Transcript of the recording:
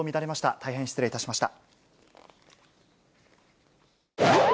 大変失礼いたしました。